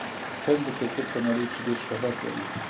هند د کرکټ په نړۍ کښي ډېر شهرت لري.